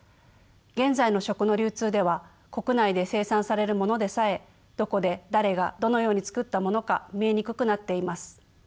現在の食の流通では国内で生産されるものでさえどこで誰がどのようにつくったものか見えにくくなっています。